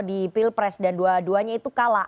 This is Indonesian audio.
di pilpres dan dua duanya itu kalah